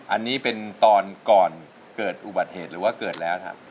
อันนี้เป็นตอนก่อนเกิดอุบัติเหตุหรือว่าเกิดแล้วครับ